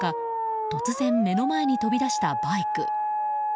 突然、目の前に飛び出したバイク。